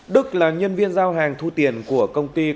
đức là nhân viên giao hàng thu tiền của công an tp đà nẵng